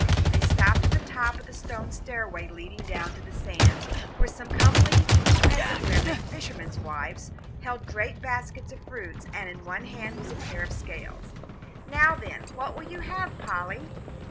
They stopped at the top of the stone stairway leading down to the sands, where some comely peasant women, fishermen's wives, held great baskets of fruit, and in one hand was a pair of scales. "Now, then, what will you have, Polly?"